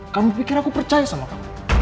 kamu pikir aku percaya sama kamu